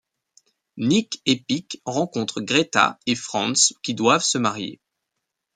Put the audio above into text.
Nic et Pic rencontrent Greta et Franz qui doivent se marier.